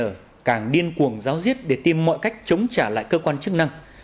đối tượng một mươi tám một mươi chín tn càng điên cuồng ráo riết để tìm mọi cách chống trả lại cơ quan chức năng